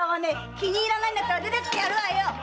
気に入らないなら出ていってやるわよ！